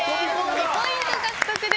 ２ポイント獲得です。